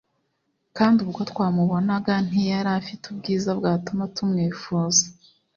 kandi ubwo twamubonaga ntiyari afite ubwiza bwatuma tumwifuza.